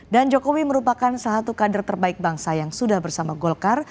dan jokowi merupakan salah satu kader terbaik bangsa yang sudah bersama golkar